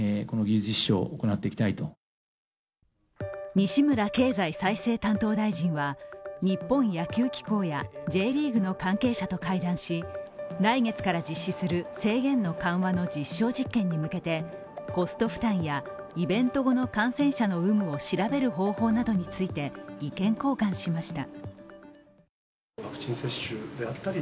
西村経済再生担当大臣は日本野球機構やＪリーグの関係者と会談し来月から実施する制限緩和の実証実験に向けてコスト負担やイベント後の感染者の有無を調べる方法などについて意見交換しました。